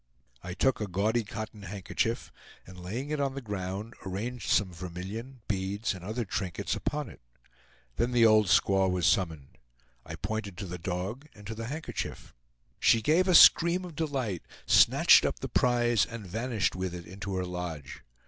I took a gaudy cotton handkerchief, and laying it on the ground, arranged some vermilion, beads, and other trinkets upon it. Then the old squaw was summoned. I pointed to the dog and to the handkerchief. She gave a scream of delight, snatched up the prize, and vanished with it into her lodge.